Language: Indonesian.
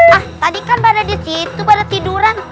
ah tadi kan pada di situ pada tiduran